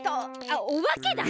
あっおばけだ！